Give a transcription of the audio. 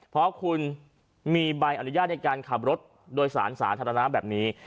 เพราะคุณมีใบอนุญาตในการขับรถโดยสารสาธารณะแบบนี้